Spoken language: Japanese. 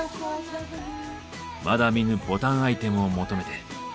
まだ見ぬボタンアイテムを求めて。